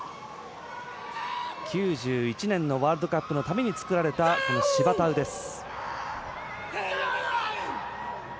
９１年のワールドカップのために作られたこのシバタウです。